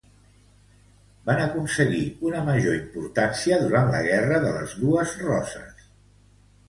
Van aconseguir una major importància durant la Guerra de les Dues Roses.